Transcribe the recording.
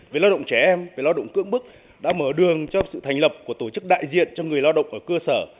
về lao động trẻ em về lao động cưỡng bức đã mở đường cho sự thành lập của tổ chức đại diện cho người lao động ở cơ sở